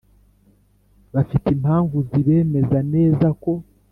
Bafite Impamvu Zibemeza Nezako